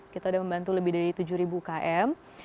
kita sudah membantu lebih dari tujuh ribu ukm